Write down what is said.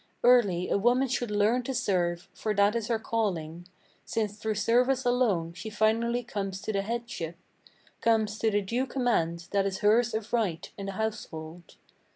Early a woman should learn to serve, for that is her calling; Since through service alone she finally comes to the headship, Comes to the due command that is hers of right in the household.